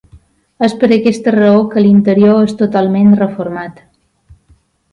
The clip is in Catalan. És per aquesta raó que l’interior és totalment reformat.